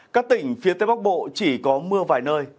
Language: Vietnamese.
các tỉnh phía tây bắc bộ chỉ có mưa vài nơi